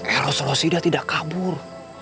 eros rosida tidak kabur